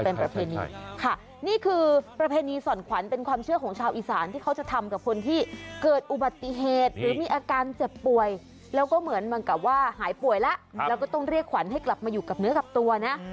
เป็นประเพณีค่ะนี่คือประเพณีส่อนขวัญเป็นความเชื่อของชาวอีสานที่เขาจะทำกับคนที่เกิดอุบัติเหตุหรือมีอาการเจ็บป่วยแล้วก็เหมือนเหมือนกับว่าหายป่วยแล้วแล้วก็ต้องเรียกขวัญให้กลับมาอยู่กับเนื้อกับตัวนะ